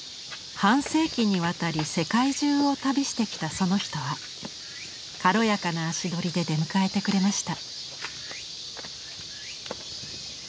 半世紀にわたり世界中を旅してきたその人は軽やかな足取りで出迎えてくれました。